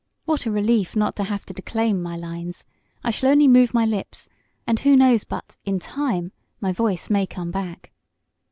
What a relief not to have to declaim my lines! I shall only move my lips, and who knows but, in time, my voice may come back?"